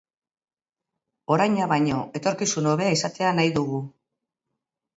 Oraina baino etorkizun hobea izatea nahi dugu.